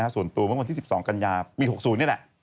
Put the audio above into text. ส่วนตัววันที่๑๒กันยายนปี๖๐นี่แหละ